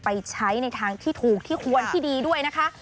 ไปใช้ในทางที่ถูกที่ควรที่ดีด้วยนะคะ